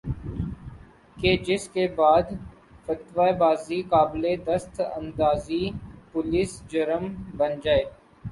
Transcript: کہ جس کے بعد فتویٰ بازی قابلِ دست اندازیِ پولیس جرم بن جائے